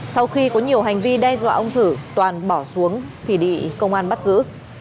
sau khi có nhiều hành vi đe dọa ông thử toàn bỏ xuống thì bị công an bắt giữ